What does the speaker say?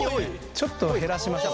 ちょっと減らしましょう。